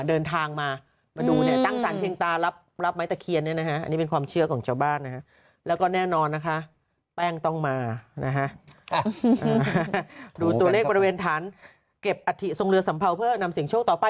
ดูตัวเลขประเภทฐานเก็บอาทิตย์ทรงเรือสัมเภาเพื่อนำสิ่งโชคต่อไป